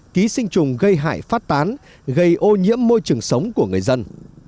ký sinh trùng gây hại phát tán gây ô nhiễm môi trường sống của người dân